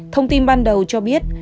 thông tin ban đầu cho biết